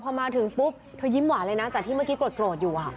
พอมาถึงปุ๊บเธอยิ้มหวานเลยนะจากที่เมื่อกี้โกรธอยู่